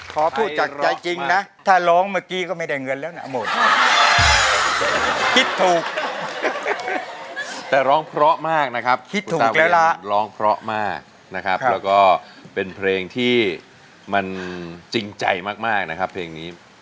คุณตาวินร้องเพราะมากนะครับแล้วก็เป็นเพลงที่มันจริงใจมากนะครับเพลงนี้